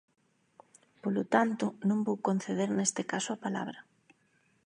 Polo tanto, non vou conceder neste caso a palabra.